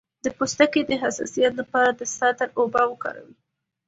د پوستکي د حساسیت لپاره د سدر اوبه وکاروئ